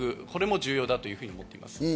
これも重要だと思っています。